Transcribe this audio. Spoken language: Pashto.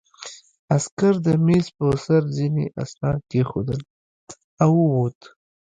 عسکر د مېز په سر ځینې اسناد کېښودل او ووت